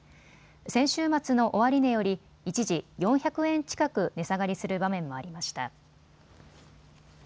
先週末の終値より一時４００円近く値下がりする場面もありました。